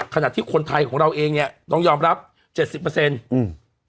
ขณะที่คนไทยของเราเองเนี้ยต้องยอมรับเจ็ดสิบเปอร์เซ็นต์อืม